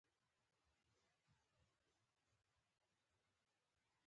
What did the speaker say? چالاکه لوبغاړي مو د فرښتو له حساب څخه خلاص نه وو.